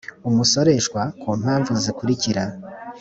umusoreshwa ku mpamvu zikurikira